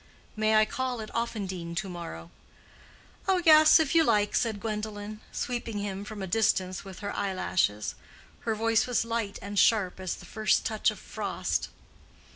"May I call at Offendene to morrow?" "Oh yes, if you like," said Gwendolen, sweeping him from a distance with her eyelashes. Her voice was light and sharp as the first touch of frost.